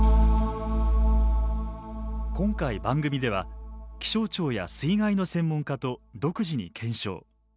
今回番組では気象庁や水害の専門家と独自に検証。